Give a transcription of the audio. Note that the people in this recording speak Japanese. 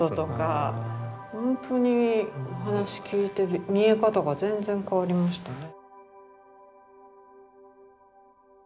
ほんとにお話聞いて見え方が全然変わりましたね。